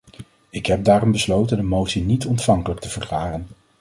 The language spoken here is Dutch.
Ik heb daarom besloten de motie niet-ontvankelijk te verklaren.